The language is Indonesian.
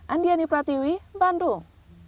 andiani pratiwi bandung